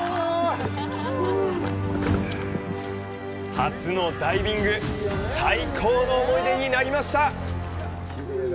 初のダイビング、最高の思い出になりました！